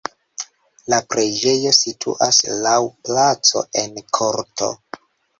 La preĝejo situas laŭ placo en korto.